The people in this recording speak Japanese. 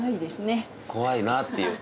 怖いなっていう。